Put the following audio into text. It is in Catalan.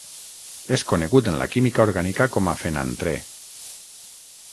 És conegut en la química orgànica com a fenantrè.